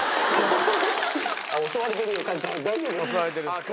襲われてるよ、カズさん、大丈夫？